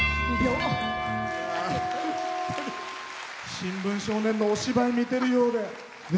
「新聞少年」のお芝居を見ているようで。